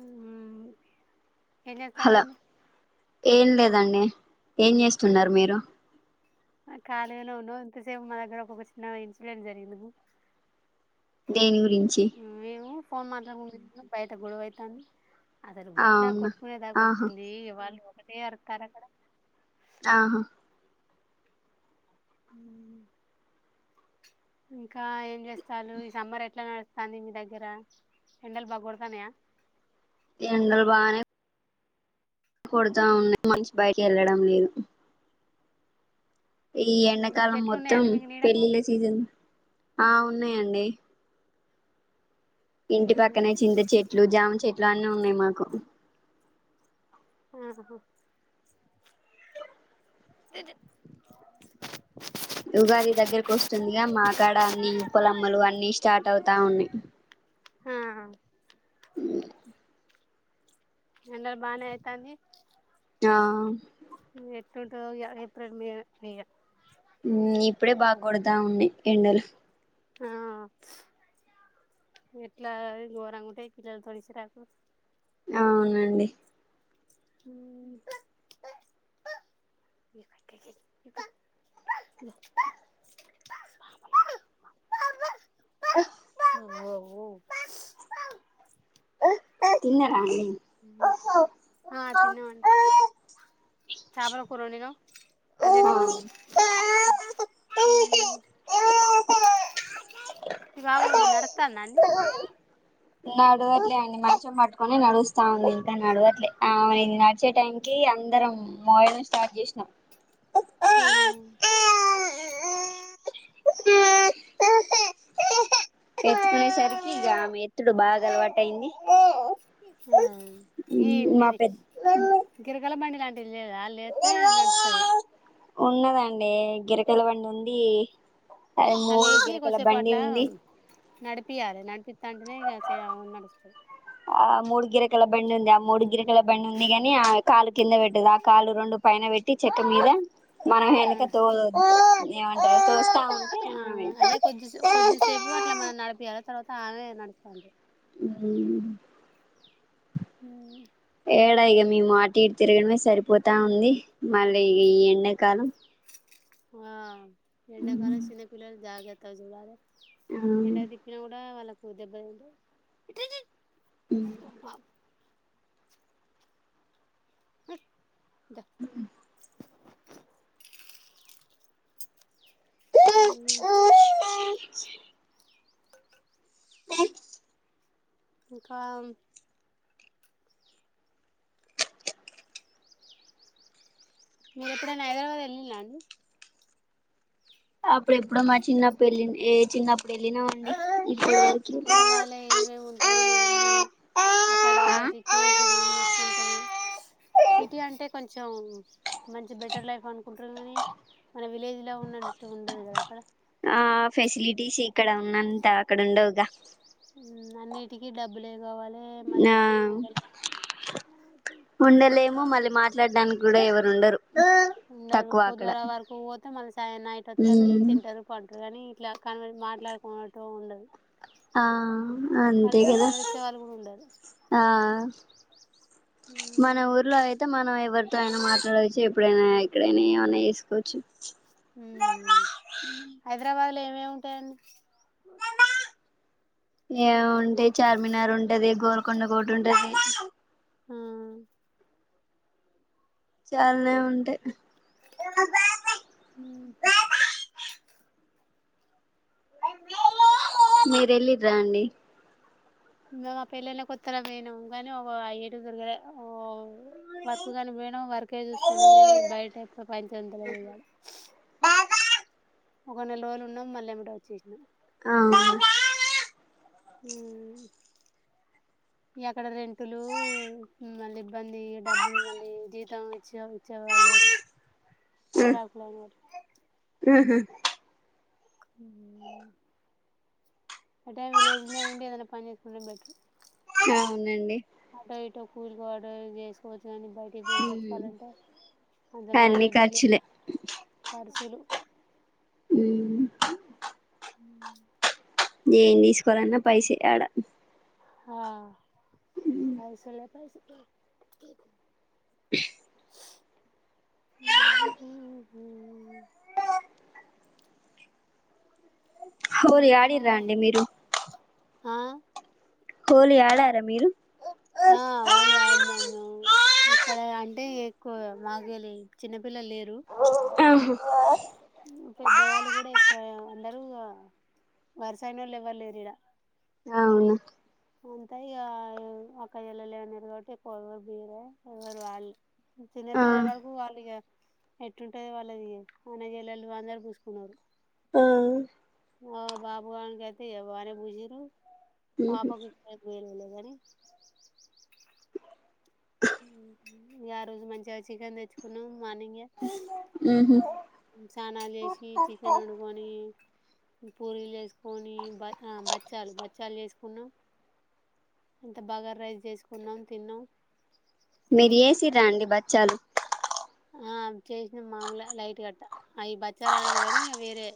మ్మ్ ఏం చేస్తు న్నారండి దండి ఏం చేస్తున్నరు మీరు ఖాళీగనే ఉన్నమ్ ఇంతసేపు మా దగ్గర ఒకొ ఒక చిన్న ఇన్సిడెంట్ జరిగింది. దేని గురించి నువ్వేమో ఫోన్ మాత్రం ఉ బయట గొడవైతంది అసలు ఎట్లా అవునా కొట్టుకునే దాక ఆహా వచ్చింది వాళ్ళు ఒకటే అరుతారు అక్కడ ఆహా అ ఇంకా ఏం చేస్తాారు ఈ సమ్మర్ ఎట్లా నడ తాంది మీదగ్రరా ఎండలు బాగుడతనేయా ఎండలు బానే కొడుతా ఉన్నా మనిషి బయట వెళ్ళడం లేదు ఈ ఎండాకాలం చెట్లు మొత్తం ఉన్నాయండి మీకు నీడకు పెళ్ళిళ్ళ సీజన్ ఆ ఉన్నాయంండి ఇంటి ఉమ్, పక్కనే చింత చెట్లు జాము చెట్లు అన్నీ ఉన్నాయి మాకు ఆ అదిే ఉగాది దగ్గరకు వస్తుందిగా మా కాడ అన్ని ఉప్పలమ్మలు అన్ని స్టార్ట్ అవుతా ఉన్నాయి ఆ అ ఎండలు బాగానే అయితంది ఆ ఎట్లుంటదో ఇక ఏప్రిల్ మే మేయా ఇప్పుడే బాగా కుడదా ఉన్నాయి ఎండలు ఆ ఎట్లా ఘోరంగా ఉంటాయి పిల్లల పరిస్థితిలు అవునండి అ ఆ ఓఓ తిన్నరండి. ఆ తిన్నమండి చాపల కూర ఒండినం. అధే దిన్నం ఉమ్ మీ బాబా నాద్తండ అండి నడవట్లే అండి మంచం పట్టుకొని నడుస్తా ఉంది ఇంకా నడవట్లే ఆ నడిచే టైంకి ఇగ అందరం మొబైల్ స్టార్ట్ చేసినాం ఉ ఎత్తుకునేసరికి ఇక ఆమె ఎత్తుడు బాగా అలవాటయింది ఆ ఈ మా మిది పెద్ద గిరకల బండి లాంటి లేదా అల్లెత్తె నడ్తది ఉన్నదండి గిరకల బండి ఉంది అది ఆ మూడు లేచి గిరకల బండి ఉంది. పియలే నడిపితంటనే ఇగ చెయ్ అమే నడుస్తది. ఆ మూడు గిరకల బండి ఉంది ఆ మూడు గిరకల బండి ఉంది గాని ఆ కాలు కింద పెట్టది ఆ కాలు రెండు పైన పెట్టి ఇట్టి చెక్క మీద మనం ఆ వెనుక తో ఏమంటారు తోస్త ఆ అదే కొద్దిపు కొద్దిసేపు అట్లా మనం నడిపియాలి తర్వాత ఆమె నడుస్తంటది ఉహు ఉ ఏడా ఇగా మీము అటు ఇటు తిరగడమే సరిపోతా ఉంది మళ్ళీ ఇగ ఈ ఎండాకాలం ఆ ఎండాకాలం చిన్న పిల్లల్ని జాగ్రత్తగా జుడాలే ఎండకు తిప్పినా కూడా వాళ్ళలకు దెబ్బ తింటది అబ్బా ఉహు [inaudible] ఉమ్ [unintelligible] [unintelligible] ఇంకా మీరు ఎప్పుడనా హైదరాబాద్ వెళ్ళినరా అండి అప్పుడు ఎప్పుడో మా చిన్నప్పుడు వెళ్ళిన ఏ చిన్నప్పుడు వెళ్ళినామండి ఇప్పుడు వరకి హైదరాబాద్ ల ఏమేమీ ఉంటాయి ఏంది అక్కడ సిచ్యువేషన్ ఏంది ఎట్లా ఉంటుంది సిటీ అంటే కొంచెం మంచి బెటర్ లైఫ్ అనుకుంటురు కానీ మన విలేజ్ లో ఉన్నట్టు ఉండదు కదా అక్కడ ఆ ఫెసిలిటీస్ ఇక్కడ ఉన్నంత అక్కడ ఉండవుగా అన్నిటికీ డబ్బులే కావాలి మళ్ళీ ఆ ఫ్రీగుండలే ఉండలేము మళ్ళీ మాట్లాడడానికి కూడా ఎవరు ఉండరు ఉండరు తక్కువ అక్కడ పొద్దుగాల వరుకుకు పోతే మళ్ళీ సా నైట్ వత్తరు ఉమ్ తింటారు పంట కానీ ఇట్లా కాని మాట్లాడుకున్నట్టు ఉండదు ఆ అంతే కనీసం కదా మందలిచ్చే వాళ్ళు కూడా ఉండరు ఆ మన ఊర్లో అయితే మనం ఎవరు తో ఆయన మాట్లాడవచ్చు ఎప్పుడైనా ఎక్కడైనా ఏమైన్నా చేసుకోవచ్చు ఉమ్ హైదరాబాద్ లో ఏమేమీ ఉంటాయండి ఏ ఉంటే చార్మినార్ ఉంటది గోల్కోడ కోట ఉంటది ఉమ్ చాలనే ఉంటై ఉహు మిరెల్లిర్రా అండి ఇంగ ఆ పెళ్లైన కొత్త పోయినాం గానీ ఒక అయి ఎటు దిరుగాలే ఓ వర్క్ కాని పోయిన ఆహా వర్కచూసుకున్నాం కాని బయట ఎ పంచింతలో వయడం ఒక నెల రోజులు ఉన్నాం మళ్ళీ ఏమిటో వచ్చేసినాం అవును హ్మ్మ్ అక్కడ రెంటులు లు మళ్ళీ ఇబ్బంది డబ్బులు మళ్ళీ జీతం ఇచ్చే ఇచ్చేవాళ్ళు చిరాకులాఉన్నాడు ఆహ [inaudible] అంటే విలేజ్ లో ఉండి ఏదన్నా పని చేసుకుంటే బెటర్ అవునండి అటో ఇటో కూలికోటో చేసుకోవచ్చు కానీ బయటికి పోయి బతకాలంటే అంత అన్ని కనౌలెడ్జి లేదు ఖర్చులే కర్సూలు హ్మ్మ్ [inaudible] ఏం తీసుకోలన్న పైసే అడా ఆ పైసలే [inaudible] [unintelligible] [unintelligible] హోలీ ఇంకా ఆడినరా అండి మీరు ఆ హోలీ ఆడారా మీరు ఆ హోలీ ఆడినాం మేము ఇక్కడ అంటే ఎక్కువ మాకులి చిన్నపిల్లలు లేరు ఆ పెద్దవాళ్ళు కూడా ఎక్కువ అందరూ వరుసయిన వాళ్ళు ఎవ్వరులేరు ఇడా అవున అంతా ఇక అక్క వెళ్ళ లే అన్నారు కాబట్టి ఎ ఎవరు బీరే ఎవరు వాళ్ళు ఆ చిన్నపిల్ల వరకు వాలిగా ఎట్టుంటది వాళ్ళది అన్న చెల్లెలు అందరూ పూసుకున్నారు ఆ ఆ బాబు గణికైతే వాలె పుసినరూ ఉహుం వేలే లేగానీ ఇంకా ఆ రోజు మంచిగా చికెన్ తెచ్చుకున్నాం మార్నింగ్ ఊహు సానలు చేసి చికెన్ వండుకొని పూరీలు చేసుకొని బ బచ్చాలు బచ్చాలు చేసు కున్నాం అంత బగర్ రైస్ చేసుకున్నాం తిన్నాం మీరు చేసిన్రా అండి బచ్చాలు ఆ చేసిన మామూలు లైట్ కట్ట అవి బచ్చాల అన్నారు కానీ అవి వేరే